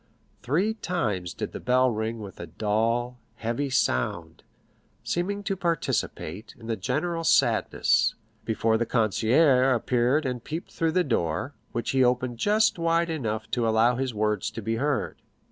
Three times did the bell ring with a dull, heavy sound, seeming to participate, in the general sadness, before the concierge appeared and peeped through the door, which he opened just wide enough to allow his words to be heard.